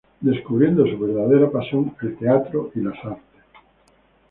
Descubriendo su verdadera pasión el teatro y las artes.